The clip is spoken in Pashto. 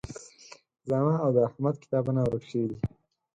زما او د احمد کتابونه ورک شوي دي